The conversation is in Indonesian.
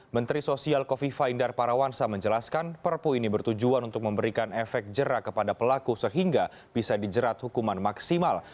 menteri sosial kofifa indar parawansa menjelaskan perpu ini bertujuan untuk memberikan efek jerak kepada pelaku sehingga bisa dijerat hukuman maksimal